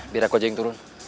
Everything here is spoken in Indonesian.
biar aku aja yang turun